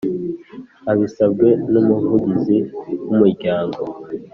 Abisabwe n’Umuvugizi w’Umuryango